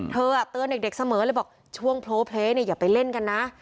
เตือนเด็กเสมอเลยบอกช่วงโพลเพลอย่าไปเล่นกันนะ